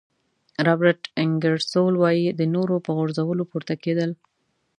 رابرټ انګیرسول وایي د نورو په غورځولو پورته کېدل.